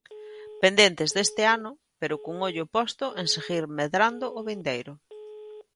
Pendentes deste ano, pero cun ollo posto en seguir medrando o vindeiro.